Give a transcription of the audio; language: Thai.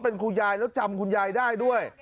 เป็นคุณยายแล้วจำคุณยายได้ด้วย